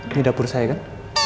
ini dapur saya kan